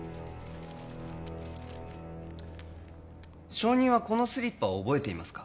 証人はこのスリッパを覚えていますか？